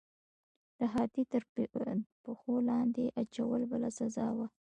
د هاتي تر پښو لاندې اچول بله سزا وه.